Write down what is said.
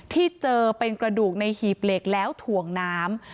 ที่เจอเป็นกระดูกในหีบเหล็กแล้วถ่วงน้ำ